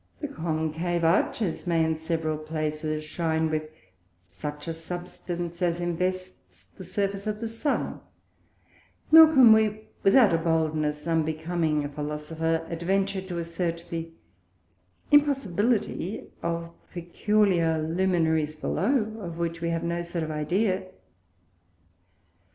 The Concave Arches may in several places shine with such a Substance as invests the Surface of the Sun; nor can we, without a boldness unbecoming a Philosopher, adventure to assert the impossibility of peculiar Luminaries below, of which we have no sort of Idea.